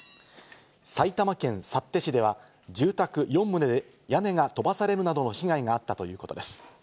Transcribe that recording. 埼玉県幸手市では住宅４棟で屋根が飛ばされるなどの被害があったということです。